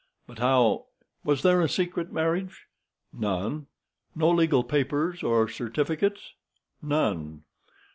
But how—" "Was there a secret marriage?" "None." "No legal papers or certificates?" "None."